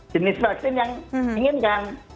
jenis vaksin yang diinginkan